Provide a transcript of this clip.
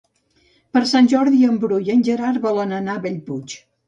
Per Sant Jordi en Bru i en Gerard volen anar a Bellpuig.